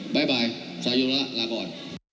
บ๊ายบายไซโยนาระลาก่อน